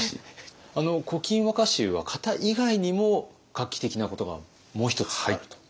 あの「古今和歌集」は型以外にも画期的なことがもう一つあると。